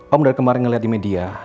om dari kemarin ngeliat di media